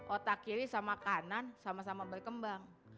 otak kiri sama kanan sama sama berkembang